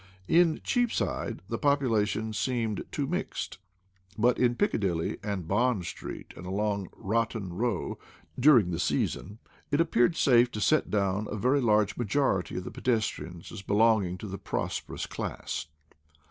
In Cheapside the population seemed too mixed; but in Piccadilly, and Bond Street, and along Rotten Row, during the season, it appeared safe to set down a very large majority of the pedestrians as belonging to the prosperous class.